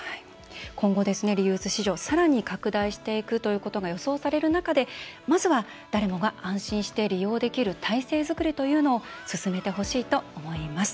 今後、リユース市場さらに拡大していくということが予想される中でまずは誰もが安心して利用できる体制作りというのを進めてほしいと思います。